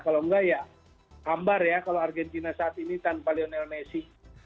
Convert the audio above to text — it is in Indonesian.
kalau enggak ya hambar ya kalau argentina saat ini tanpa lionel messi